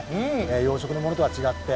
養殖のものとは違って。